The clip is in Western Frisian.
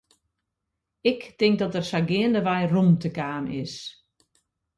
Ik tink dat der sa geandewei rûmte kaam is.